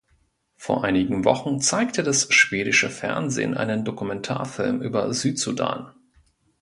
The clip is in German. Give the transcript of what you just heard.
Vor einigen Wochen zeigte das Schwedische Fernsehen einen Dokumentarfilm über Südsudan.